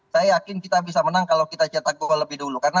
saya yakin kita bisa menang kalau kita cetak gol lebih dulu